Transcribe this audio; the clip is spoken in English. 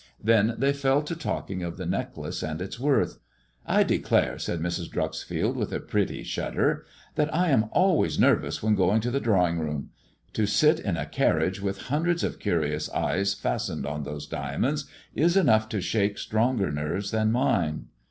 Then they fell to talking of the necklace and its worth. " I declare," said Mrs. Dreuxfield, with a pretty shudder, THE IVOET LEG AND THE DIAMONDS 345 "that I am always nervous when going to the Drawing room. To sit in a carriage with hundreds of curious eyes fastened on those diamonds is enough to shake stronger nerves than mine."